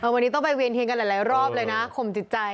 วันนี้ต้องไปเวียนเทียนกันหลายรอบเลยนะข่มจิตใจ